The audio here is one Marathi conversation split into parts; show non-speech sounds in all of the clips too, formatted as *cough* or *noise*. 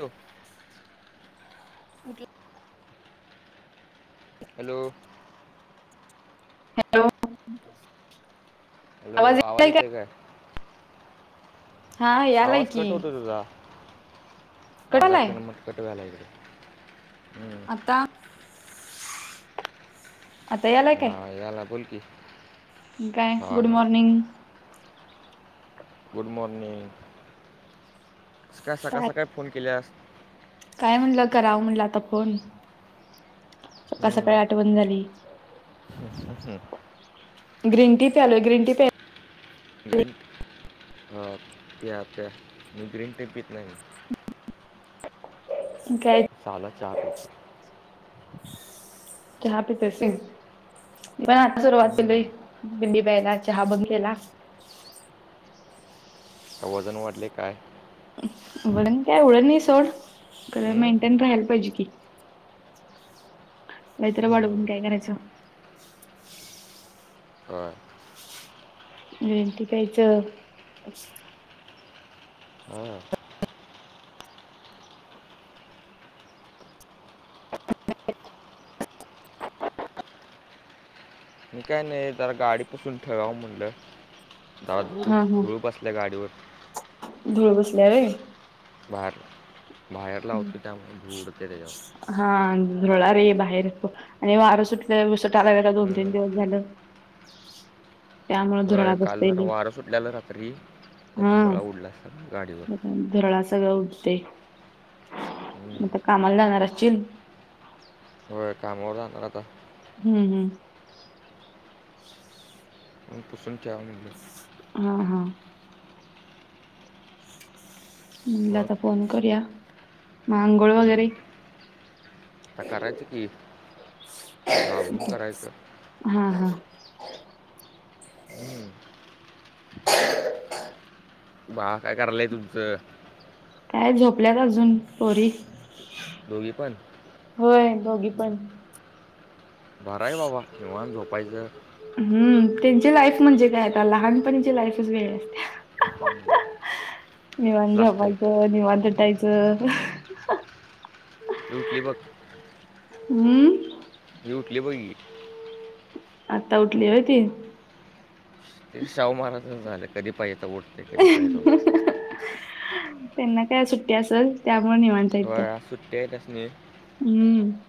Hello *unintelligible* hello. हॅलो. हॅलो आवाज येते आहे का? काय हा यालाय आवाज की कट होतो तुझा माझा कटालाय पणमट कट झालाय इकडं. आता *unintelligible* आता यालाय हा काय याला बोल की. काय हा गुड हा मॉर्निंग. गुड मॉर्निंग ईतक्या काय सकाळ-सकाळ फोन केल्यास. काय म्हणलं करावं म्हणल आता फोन हम्म. सकाळी-सकाळी आठवण झाली. *unintelligible* ग्रीन टी प्यालो ग्रीन टी प्या ग्रीन टी हा आत्या मि ग्रीन टी पीत नाही ना. काय? झाला चहा पिऊन. चाहा पितोस व्हय मि आता सुरुवात केली हम्म. थंडीत पहिला चहा बंद केला. वजन वाढले काय? वरन काय एव्हड नाही सोड हम्म? मेंटेन राहाला पाहिजे की. नाहीतर वाडुन हम्म. काय करायचं. हां. ग्रीन टिं प्यायचं मस्त. हा. मी काय नाही जरा गाडी पुसून ठेवावं म्हणलं. दादू धूळ बसल्या गाडीवर. धुळ बसल्या व्हय. बाहेर-बाहेर लावत त्यामुळ त्यावर धुळ उडते त्याच्यावर. हा धुळा रे बाहेर. आणि वारं सुटलं विस ट आला दोन हम्म. तीन दिवस झालं. त्यामुंळ होय, धुराळ काल बसते जरा लई वारं सुटलेलं रात्री, तर हा. *unintelligible* गाडीवर धुराळा सगळं उठते मग हं. काय कामाला जाणार असशील. व्हय कामावर जानार आता. हम्म-हम्म. म्हणून पुसून ठेवाव म्हनल. हा-हा. म्हनल मग? आता फोन करूया मग आंगोळ हं. वगैरे? आता करायचं की आवरून करायचं. हा-हा हं. *unintelligible* बाळ काय करायलाय तुमचं? काय झोपल्यात अजून पोरी. दोघी पण? होय दोघी पण. बरं आहे बाबा निवात झोपायचं. हम्म त्यांची लाईफ म्हणजे काय आता लहानपणीची लाईफच वेळ आहे. हम्म. निवांत झोपायचं निवांत उठायचं. ते उठली बघ. हम्म. अरे उटली बघ ही. आत्ता उठली व्हय ती. ते शाहु महाराजस झालंय कधी पाहिजे तर उठ. त्यानां काय सुट्टी असल त्यामुळं निवांत. आहेत त्या. व्ह्य सुूट्टी आज आहे तसमी. हम्म.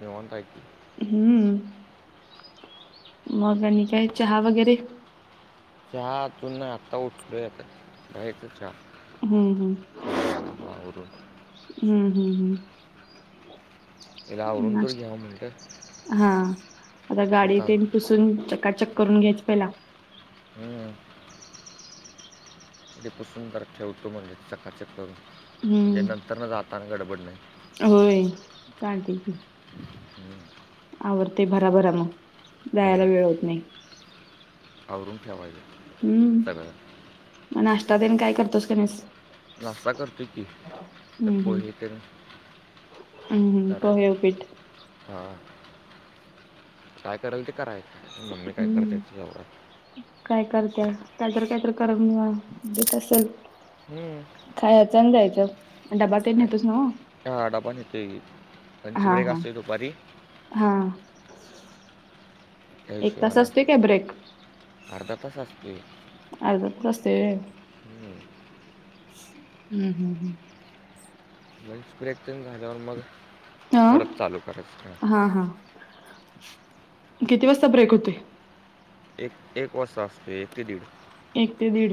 निवांत आहे की. हम्म. मग आणि काय चहा वैगेरे? चहा अजून नाय आता उठलोय आता करायचा चहा. हम्म हम्म थोड्या वेळानं आवरून. हम्म हम्म हम्म. एकदा आवरून तर घ्यावं म्हणलं. हा आता मग गाडी ता ते पुसून चकाचक करून घ्यायच पहिला. हम्म. ते पुसून तर ठेवतो म्हणजे चकाचक करून म्हणजे हम्म. नंतर न जाताना गडबड नाय. होय चालतय की. हं, आवरते भराभरा मग जायला होय. वेळ होत नाही. आवरून ठेवायला सगळं. म नाष्टा तेन काय करतोस का नाहीस? नाष्टा करतोय की ते हम्म हम्म. पोहे तेन. हम्म हम्म पोहे उपीट. हां काय करेल ते कराय मम्मी काय करते हम्म. तेच्यावर. काय करत्या कायतर कायतर *unintelligible* देत असेल. हम्म. खायचा आणि जायचा. आणि डबा तेन काय न्हेतोस ना हो हा, डबा नेतोय लंच हा ब्रेक हा. असतोय दुपारी हा. त्या एक तास हिशोबानं असतोय काय ब्रेक? अर्धा तास असतोय अर्धा तास असतोय होय हम्म हम्म हम्म. लंच ब्रेक तेन झाल्यावर मग हां परत चालू करायचं हां. हा हा किती वाजता ब्रेक होतोय? एक एक वाजता असतोय एक ते दीड. एक ते दीड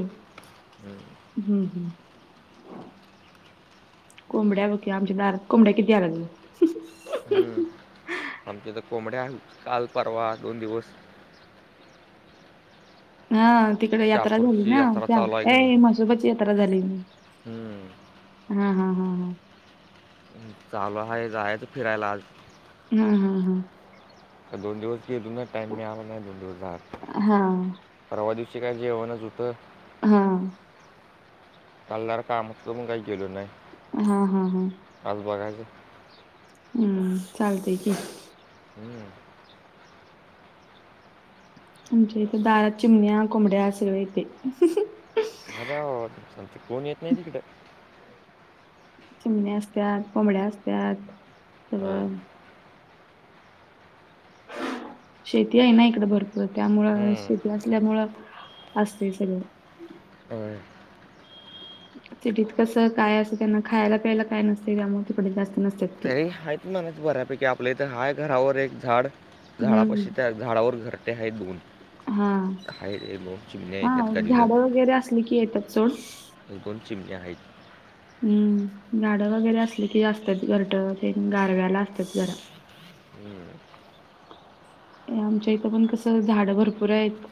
हं, हम्म हम्म. कोंबड्या बघ की आमच्या दारात कोंबड्या किती आल्यात बघ. हम्म आमच्या तर कोंबड्या आहेल काल परवा दोन दिवस. हा तिकडे यात्रा झाली शहापूरची ना यात्रा त्या चालू आहे की नाही ए मासोरबाची झाली म. हम्म. हा हा हा हा. चालू आहे जायचा फिरायला आज. हा हा हा. आता दोन दिवस गेलो नहीं टाइम मिळाला नाही दोन दिवस बाहेर हा. परवा दिवशी काय जेवणच हुत. हा. काल जरा कामात होतो म्हणून काय गेलो नहीं. हा हा हा. आज बघायच. हम्म चालतय की. हम्म. आमच्या इथं दारात चिमण्या कोंबड्या सगळं येतय. बरं हाय बाबा, आमचं कोण येत नाही तिकडं. चिमण्या असत्यात कोबड्या असत्याात हं. सगळं. शेती आहे ना इकडं भरपूर त्यामुळं हम्म. शेती असल्यामुळं असतय सगळ. *inaudible* सिटीत कसं काय असं त्यांना खायला पियला काय नसतय त्यामुळे तिकडे जास्त. नसतात ती तरी हायत म्हणाच बऱ्यापैकी आपल्या इथं हाय घरावर एक झाड. हम्म घरापशी त्या झाडावर घरटी आहेत दोन. हा आहेत एक दोन चिमण्या आहेत हा त्यात कधीच झाडं वगैरे असली की येत्यात सोड. एक दोन चिमण्या आहेत. हम्म झाडं वगैरे असली की लागत्यात घरट ते गारव्याला असतात जरा. हम्म आमच्या इथं पण कसं झाड भरपूर आहेत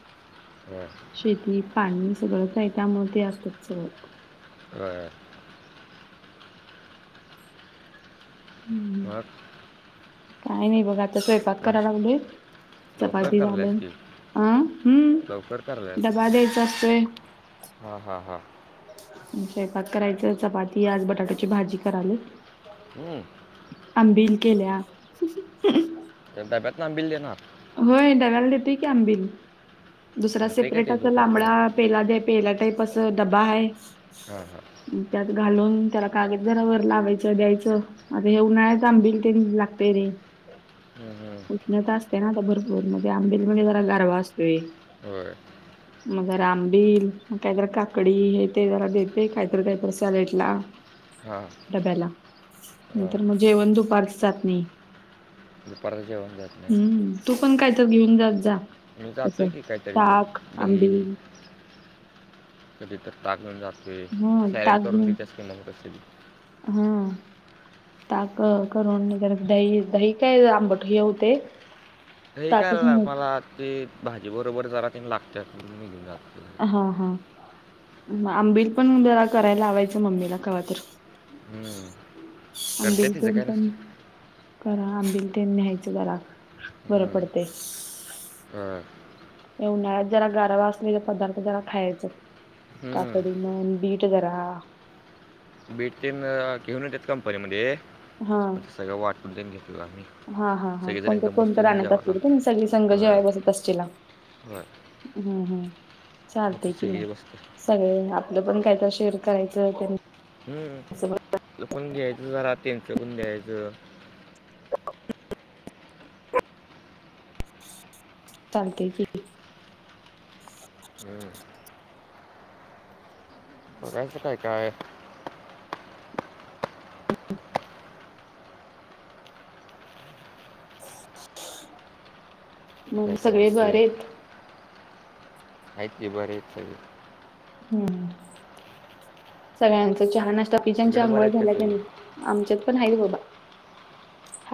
हं. शेतीत पाणी सगळंच हाय त्यामूळे ते असत सगळं, हा हम्म मग काय नाही बघ आता स्वयंपाक कराय नाश लागलोय. लवकर चपाती करल्यास झाले की अ हम्म लवकर करल्यास डबा द्यायचा असतोय. हां हां हां म स्वयंपाक करायचं चपाती आज बटाट्याची भाजी करायले. हम्म आंबील केल्या. डब्यातन आंबील देणार. होय डब्याला देतोय की आंबिल दुसरा राहते का सेपरेट ते अस लांबडा दुपारपर्यंत पेला दे पेला टाईप असं ड्बा आहे. हां हां त्यात घालून त्याला कागद जरा वर लावायचं द्यायचं. आता हे उन्हाळ्यात आंबिल तेन लागतय रे! हम्म, हम्म. उष्णता असते ना आता भरपूर मग ते आंबिल मध्ये जरा गारवा असतोय. होय *inaudible* मग जरा आंबिल कायतर काकडी हे ते जरा देते कायतर कायतर सॅलेड ला *inaudible* हां डब्याला हां नंतर जेवण दुपारचं जात नाही. दुपारचं जेवन जात नाही. ह् तू पण काय तर घेऊन जात जा मी तस जातोय की काहीतरी ताक, घेऊन आंबिल दही कधी तर ताक घेऊन जातोय हा सॅलड ताक करून घेऊन देतच किमा म कसध हा ताक करून दही दही काय आंबट हे होते दही काय मला ते भाजी बरोबर जरा तेन लागत्या म्हणून मी घेऊन जातोय हा हा आंबिल पण जरा करायला लावायचं मम्मीला कवा तर हम्म. करते आंबिल तिचं तेन काय पण नसतं करा आंबिल तेन न्यायचं जरा बरं हम्म. पडते होय या उन्हाळ्यात जरा गारवा असलेले पदार्थ जरा खायचे काकडी हम्म. म्हण बीट जरा बीट तेन घेऊन येत्यात कंपनीमध्ये हा मग ते सगळं वाटून तेन घेतलं आम्ही हा हा हा सगळेजण कोणतर एकदम बसतो कोणतर की ना आणत जेवायला असतील कणी सगळे संघ होय जेव्हा बसत असशीला होय हम् हम्म मग ते चालतय कि सगळे मग बसतो सगळ आपलं पण काय तर शेअर करायचं त्यां हम्म आपण द्यायचं जरा त्याच्यापण घ्यायचं चालते की हम करायचं काय काय मग काय काय सगळे बरेच ऐत बरत आहे हम्म सगळ्यांचा चहा नाश्ता पिजांची तिकडे बरे आंघोळ आहेत का झाल्या सगळे त्यांनी आमच्यात पण आहेतच बाबा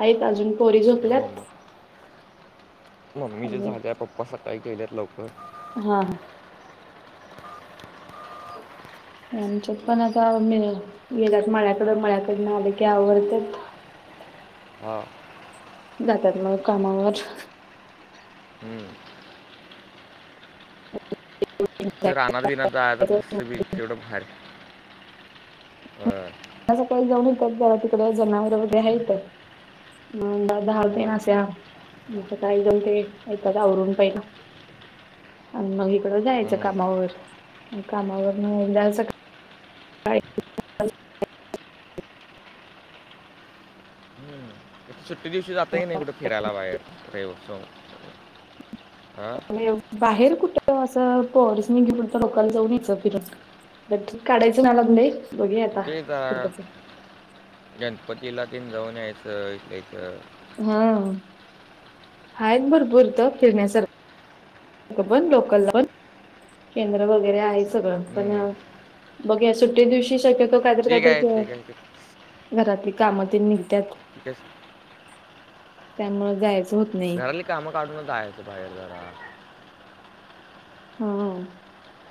आहेत अजून पोरी काय झोपल्यात मम्मी जे आणि झाल्या पप्पा स काही केलेत लवकर हा ह यांच्यात पण आता गेलात माळ्याकड मळ्याकडन आले की आवरते हा जातात मग कामावर हम्म. तर राहना बना आ मस्त बी तेवढं बाहेर हं त्या सकाळी जाऊन येतात ज तिकडे जनावर वगैरे हयात म दा हा. दहातेन अस म एकदम ते येतात आवरून पहि ना आणि मग इकडं जायचं हम्म. कामावर कामावर मग एकदा स हम्म. सुट्टी दिवशी जातही नाही कुठे फिरायला बाहेर रेवस हा बाहेर कुठं असं पॉर्स घेवून लोकांला जाऊन यायचं फिरून काढायचं म्हणालो तेच गणपतीला तेन जाऊन यायचं इथच हा आहेता भरपूर त फिरण्यासारखा पण लोकल जावून केंद्र वगैरे आहे सगळं पण हम्म. बघ सुट्टे दिवशी शक्यतो काहीतरी ते काहीतर काय सुरू ते काय ते- हाय घरातली कामं तेन निघत्यात. *unintelligible* त्यामुळे जायचं होत नाही घराली कामं काढून जायचं बाहेर जरा. हा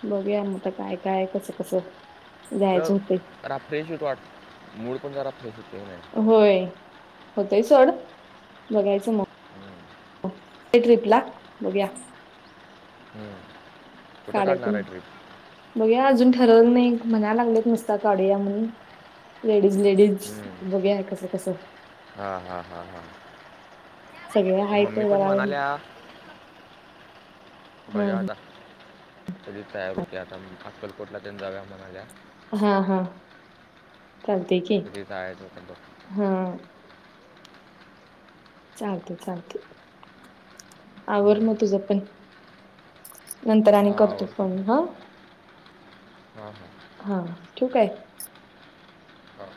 बघूया मग आता काय काय कसं कसं जायचं होतय. अरा फ्रेश होतो वाट मूड पण जरा फ्रेश होतय व्हनी. होय होतय सोड बघायचं मग, हम्म. *unintelligible* ट्रिपला बघुया. हम्म. कुठं काढायचं काढणार मग, आहे ट्रिप बघूया अजून ठरवलं नाही म्हणायला लागलेत नुसता काढूया म्हणून, लेडीज लेडीज बघूया कस कसं. हा हा हा हा सगळे आहेत मम्मी पण जरा म्हणाल्या हा बघूया आता कधी तयार होत्या आता अक्कलकोटला तेन जाऊया म्हणाल्या. हा हा चालतय की कधी जायचं होतं बघ हा. चालतय चालतय आवर मग तुझ पण, नंतर आणि हां करतो फोन हा. हा हां. हा, ठेऊ काय? हां